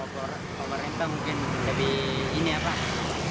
kalau berhenti mungkin lebih mudah lah